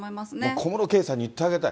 小室圭さんに言ってあげたい。